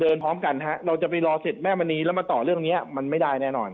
เดินพร้อมกันเราจะไปรอเสร็จแม่มณีต่อเรื่องนี้มันไม่ได้แน่นอน